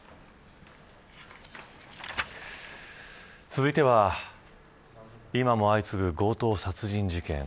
続いては今も相次ぐ強盗殺人事件。